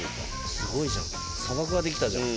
すごいじゃん砂漠ができたじゃん。